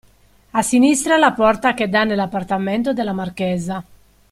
A sinistra la porta che dà nell'appartamento della marchesa.